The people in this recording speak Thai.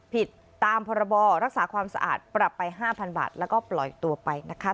พิษตามผลบรรบรรซาความสะอาดประปไปห้าพันบาทแล้วก็ปล่อยตัวไปนะคะ